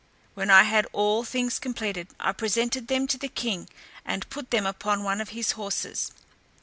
When I had all things completed, I presented them to the king, and put them upon one of his horses.